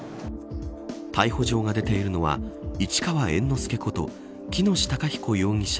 逮捕状が出ているのは市川猿之助こと喜熨斗孝彦容疑者